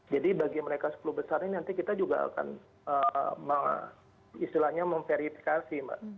jadi bagi mereka sepuluh besar ini nanti kita juga akan istilahnya memverifikasi